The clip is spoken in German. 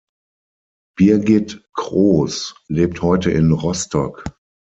Birgit Kroos lebt heute in Rostock.